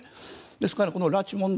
ですから拉致被害